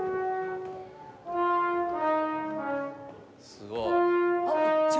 すごい！